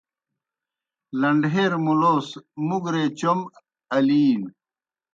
لنڈہیر مُلوس مُگرے چوْم الِینوْ۔